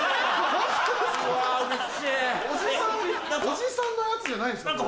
おじさんのやつじゃないんですか？